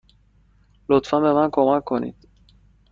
لطفا به من کمک کنید.